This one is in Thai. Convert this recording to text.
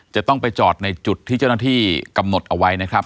จะต้องไปจอดในจุดที่เจ้าหน้าที่กำหนดเอาไว้นะครับ